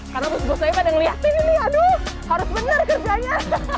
karena bos saya pada ngeliatin ini aduh harus bener kerjanya